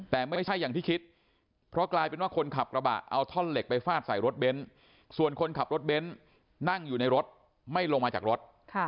แต่ไม่ใช่อย่างที่คิดเพราะกลายเป็นว่าคนขับกระบะเอาท่อนเหล็กไปฟาดใส่รถเบ้นส่วนคนขับรถเบนท์นั่งอยู่ในรถไม่ลงมาจากรถ